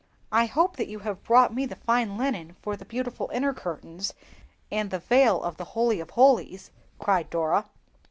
"I hope that you have brought me the fine linen for the beautiful inner curtains, and the veil for the Holy of holies," cried Dora.